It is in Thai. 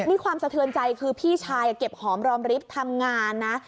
นี่ความสะเทือนใจคือพี่ชายเก็บหอมรอมริฟท์ทำงานนะ